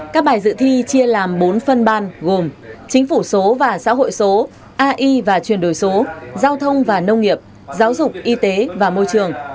các bài dự thi chia làm bốn phân ban gồm chính phủ số và xã hội số ai và chuyển đổi số giao thông và nông nghiệp giáo dục y tế và môi trường